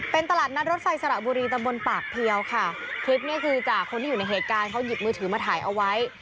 เป็นตลาดนัดรถไฟสระบุรีตำบลปากเพียวค่ะคลิปเนี้ยคือจากคนที่อยู่ในเหตุการณ์เขาหยิบมือถือมาถ่ายเอาไว้